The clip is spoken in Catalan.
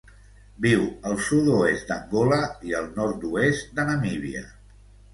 Viu al sud-oest d'Angola i el nord-oest de Namíbia.